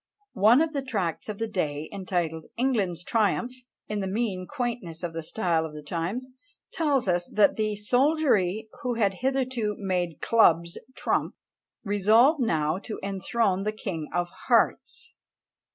One of the tracts of the day, entitled "England's Triumph," in the mean quaintness of the style of the times, tells us that "The soldiery, who had hitherto made clubs trump, resolve now to enthrone the king of hearts."